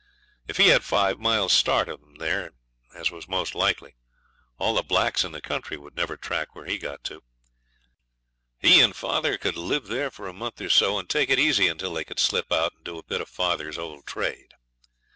If he had five miles start of them there, as was most likely, all the blacks in the country would never track where he got to. He and father could live there for a month or so, and take it easy until they could slip out and do a bit of father's old trade.